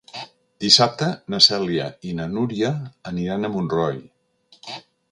Dissabte na Cèlia i na Núria aniran a Montroi.